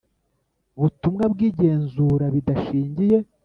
Butumwa bw igenzura bidashingiye